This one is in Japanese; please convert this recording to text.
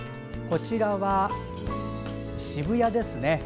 こちらは渋谷ですね。